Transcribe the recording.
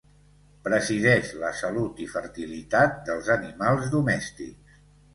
Presideix la salut i fertilitat dels animals domèstics.